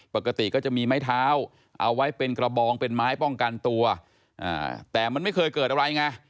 ปกติก็จะมีไม้เท้าเอาไว้เป็นกระบองเป็นไม้ป้องกันตัวแต่มันไม่เคยเกิดอะไรไง